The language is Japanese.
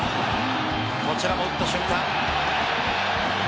こちらも打った瞬間。